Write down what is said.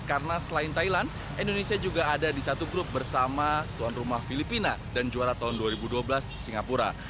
karena selain thailand indonesia juga ada di satu grup bersama tuan rumah filipina dan juara tahun dua ribu dua belas singapura